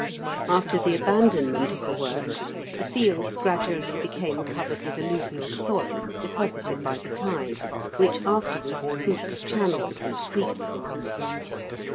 After the abandonment of the works, the fields gradually became covered with alluvial soil, deposited by the tide, which afterwards scooped channels and creeks in it.